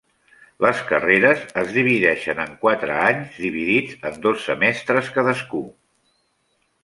Les carreres es divideixen en quatre anys dividits en dos semestres cadascú.